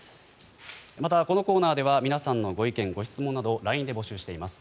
またこのコーナーでは皆さんのご意見・ご質問などＬＩＮＥで募集しています。